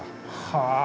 はあ。